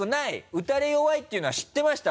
打たれ弱いっていうのは知ってました？